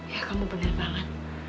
ya kamu bener banget